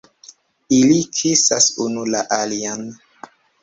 Ili kisas unu la alian!